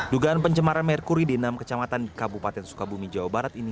dugaan pencemaran merkuri di enam kecamatan di kabupaten sukabumi jawa barat ini